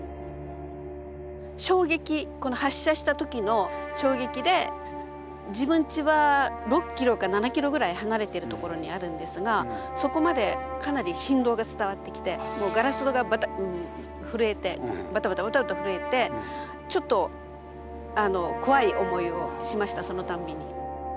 衝撃この発射した時の衝撃で自分ちは６キロか７キロぐらい離れてるところにあるんですがそこまでかなり振動が伝わってきてもうガラス戸が震えてバタバタバタバタ震えてちょっと怖い思いをしましたそのたんびに。